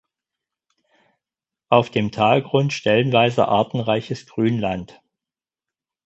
Auf dem Talgrund stellenweise artenreiches Grünland.